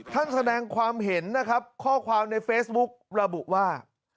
แสดงความเห็นนะครับข้อความในเฟซบุ๊กระบุว่า